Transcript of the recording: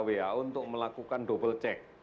wa untuk melakukan double check